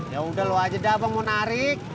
ya udah lo aja dah bang mau narik